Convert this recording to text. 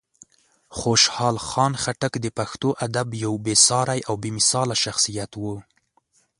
خوشحال خان خټک د پښتو ادب یو بېساری او بېمثاله شخصیت و.